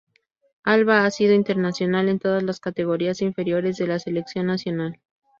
Alba ha sido internacional en todas las categorías inferiores de la Selección Nacional.